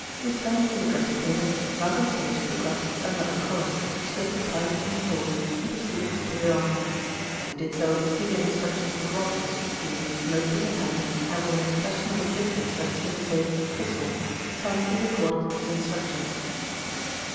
Returning to the dressing table, Malcolm Sage took up another collar, slipped a tie between the fold, and proceeded to put it on. As he did so he gave instructions to Rogers, who, note book in hand, and with an expression of indifference that seemed to say "Kismet," silently recorded his instructions.